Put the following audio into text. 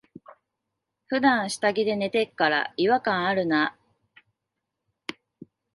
ふだん下着で寝てっから、違和感あるな。